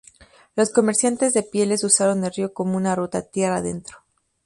Los comerciantes de pieles usaron el río como una ruta tierra adentro.